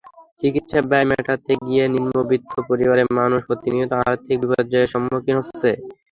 চিকিৎসা ব্যয় মেটাতে গিয়ে নিম্নবিত্ত পরিবারের মানুষ প্রতিনিয়ত আর্থিক বিপর্যয়ের সম্মুখীন হচ্ছে।